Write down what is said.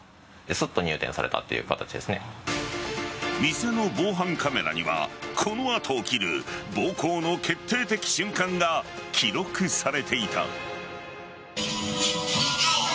店の防犯カメラにはこの後起きる暴行の決定的瞬間が記録されていた。